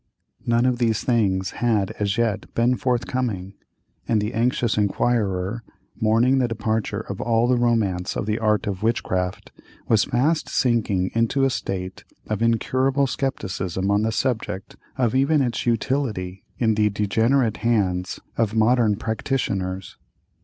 None of these things had as yet been forthcoming, and the anxious inquirer, mourning the departure of all the romance of the art of witchcraft, was fast sinking into a state of incurable scepticism on the subject of even its utility, in the degenerate hands of modern practitioners.